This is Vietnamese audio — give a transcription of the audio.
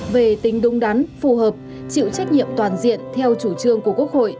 về tính đúng đắn phù hợp chịu trách nhiệm toàn diện theo chủ trương của quốc hội